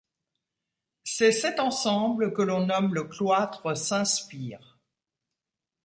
C'est cet ensemble que l'on nomme le cloître Saint-Spire.